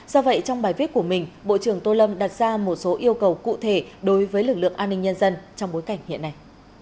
do vậy trong bài viết của mình bộ trưởng tô lâm đặt ra một số yêu cầu cụ thể đối với lực lượng an ninh nhân dân trong bối cảnh hiện nay